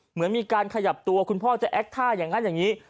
เหมือนมีการขยับตัวคุณพ่อจะแอคท่าอย่างนั้นอย่างนี้